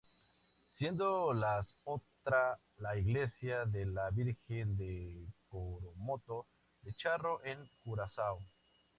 Siendo las otra la Iglesia de la Virgen de Coromoto de Charro en Curazao.